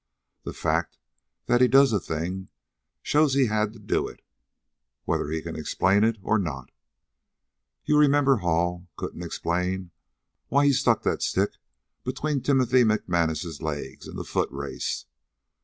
The fact that he does a thing shows he had to do it whether he can explain it or not. You remember Hall couldn't explain why he stuck that stick between Timothy McManus's legs in the foot race.